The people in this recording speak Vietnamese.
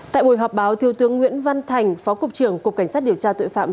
tại buổi họp báo thiếu tướng nguyễn văn thành phó cục trưởng cục cảnh sát điều tra tội phạm